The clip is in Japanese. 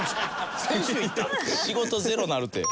仕事ゼロなるて。